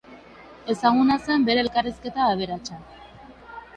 Ezaguna zen bere elkarrizketa aberatsa.